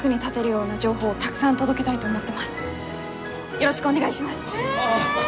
よろしくお願いします！